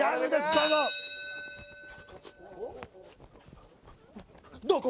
どうぞどこ？